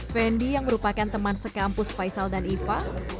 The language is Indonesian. fendi yang merupakan teman sekampus faisal dan iva